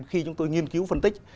khi chúng tôi nghiên cứu phân tích